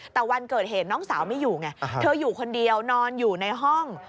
แต่วันเกิดเหตุน้องสาวไม่อยู่ไงเธออยู่คนเดียวนอนอยู่ในห้อง